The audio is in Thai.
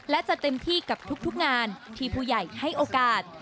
และจะเต็มที่กับทุกงานที่ผู้ใหญ่ให้โอกาส